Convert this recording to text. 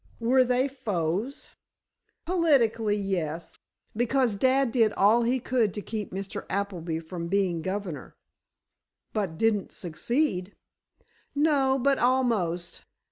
"Were they foes?" "Politically, yes. Because dad did all he could to keep Mr. Appleby from being governor." "But didn't succeed?" "No; but almost.